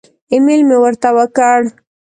ایمیل مې ورته وکړ.